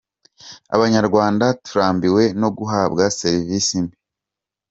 Abanyarwanda turambiwe no guhabwa Serivisi mbi